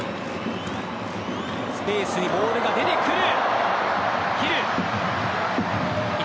スペースにボールが出てくる。